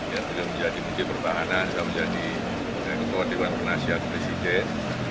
yang beliau menjadi menteri pertahanan saya menjadi ketua dewan penasihat presiden